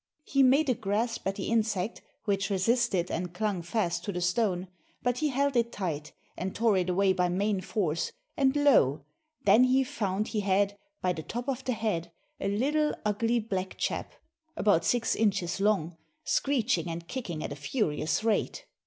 He made a grasp at the insect, which resisted and clung fast to the stone; but he held it tight, and tore it away by main force, and lo! then he found he had, by the top of the head, a little ugly black chap, about six inches long, screeching and kicking at a furious rate.